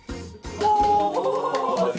お！